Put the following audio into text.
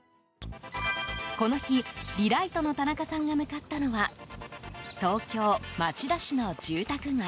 この日、リライトの田中さんが向かったのは東京・町田市の住宅街。